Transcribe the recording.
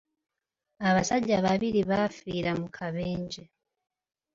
Abasajja babiri baafiira mu kabenje.